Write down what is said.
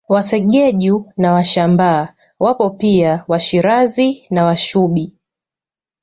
Wasegeju na Washambaa wapo pia Washirazi na Washubi